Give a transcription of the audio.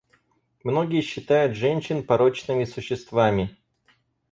Многие считают женщин порочными существами.